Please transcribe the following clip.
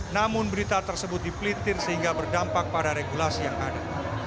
namun berita tersebut dipelitir sehingga berdampak pada regulasi yang ada